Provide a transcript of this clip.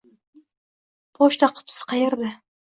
Pochta qutisi qayerda?